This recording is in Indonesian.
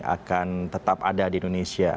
akan tetap ada di indonesia